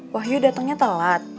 wahyu datengnya telat